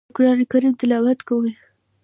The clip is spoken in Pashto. د قران کریم تلاوت کوي.